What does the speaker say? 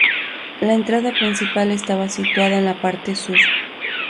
La entrada principal estaba situada en la parte sur.